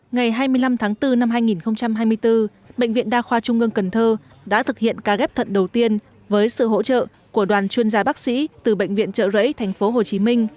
ngày hai mươi năm tháng bốn năm hai nghìn hai mươi bốn bệnh viện đa khoa trung ương cần thơ đã thực hiện ca ghép thận đầu tiên với sự hỗ trợ của đoàn chuyên gia bác sĩ từ bệnh viện trợ rẫy tp hcm